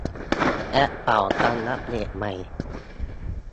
แอปเป๋าตังอัปเดตใหม่